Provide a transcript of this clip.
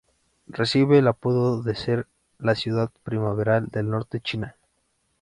Recibe el apodo de ser "la ciudad primaveral del norte de China".